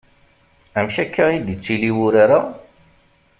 Amek akka i d-ittili wurar-a?